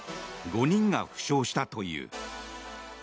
５人が負傷したという。